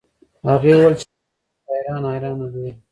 هغې وويل چې مينه موږ ته حيرانه حيرانه ګوري